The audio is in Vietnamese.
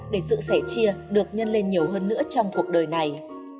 để sự sẻ chia được nhân lên nhiều hơn nữa trong cuộc đời này